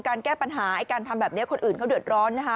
แก้ปัญหาไอ้การทำแบบนี้คนอื่นเขาเดือดร้อนนะคะ